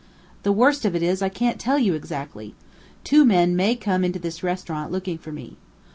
"The worst of it is, I can't tell you exactly. Two men may come into this restaurant looking for me.